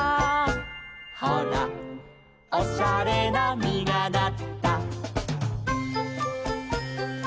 「ほらおしゃれなみがなった」